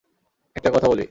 একটা কথা বলি।